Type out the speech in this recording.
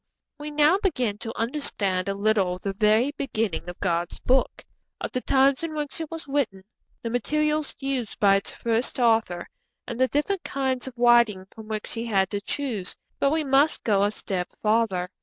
] We now begin to understand a little of the very beginning of God's Book of the times in which it was written, the materials used by its first author, and the different kinds of writing from which he had to choose; but we must go a step farther.